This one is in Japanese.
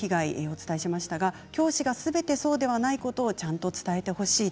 お伝えしましたが教師がすべてそうではないことをちゃんと伝えてほしい。